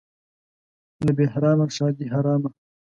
له بهرامه ښادي حرامه.